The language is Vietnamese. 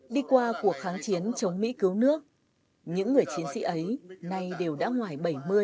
đi qua cuộc kháng chiến chống mỹ cứu nước những người chiến sĩ ấy nay đều đã ngoài bảy mươi